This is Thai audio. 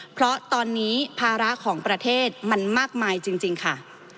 เพราะตอนนี้ภาระของประเทศมันมากมายจริงค่ะ